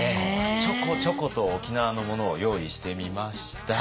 ちょこちょこと沖縄のものを用意してみました。